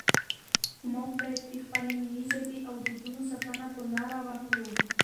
موږ باید د خپلې ملي ژبې او دودونو ساتنه په نره وکړو.